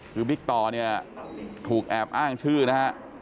คือบิ๊กต่อเนี่ยถูกแอบอ้างชื่อนะฮะ